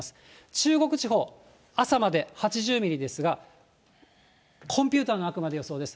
中国地方、朝まで８０ミリですが、コンピューターのあくまで予想です。